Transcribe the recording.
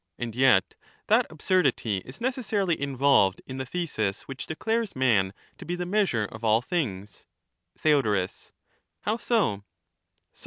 And yet that absurdity is necessarily involved in the thesis which declares man to be the measure of all things. Theod. How so